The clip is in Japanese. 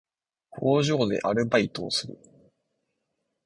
工場でアルバイトをする